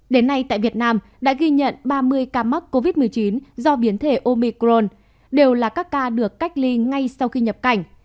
đến nay tại việt nam đã ghi nhận ba mươi ca mắc covid một mươi chín do biến thể omicron đều là các ca được cách ly ngay sau khi nhập cảnh